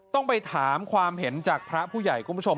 ต้องไปถามความเห็นจากพระผู้ใหญ่คุณผู้ชม